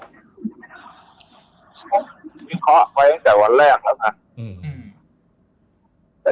ผมวิเคราะห์ไว้ตั้งแต่วันแรกแล้วนะ